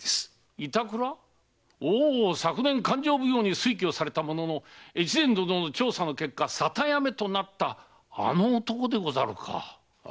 おお昨年勘定奉行に推挙されたものの越前殿の調査の結果沙汰止めとなったあの男でござるか。